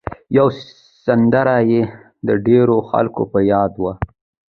یوه سندره یې د ډېرو خلکو په یاد وه.